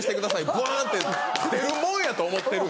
バン！って出るもんやと思ってる。